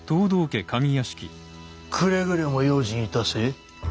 くれぐれも用心致せ。